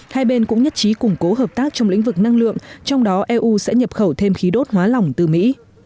hai bên cũng nhất trí củng cố hợp tác trong lĩnh vực năng lượng trong đó eu sẽ nhập khẩu thêm khí đốt hóa lỏng từ mỹ